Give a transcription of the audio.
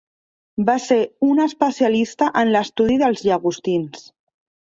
Va ser una especialista en l’estudi dels llagostins.